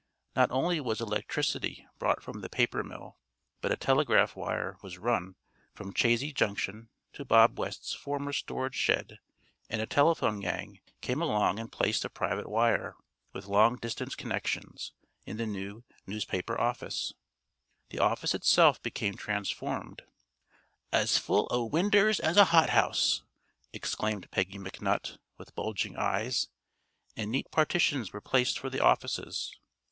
Not only was electricity brought from the paper mill, but a telegraph wire was run from Chazy Junction to Bob West's former storage shed and a telephone gang came along and placed a private wire, with long distance connections, in the new newspaper office. The office itself became transformed "as full o' winders as a hothouse!" exclaimed Peggy McNutt, with bulging eyes and neat partitions were placed for the offices.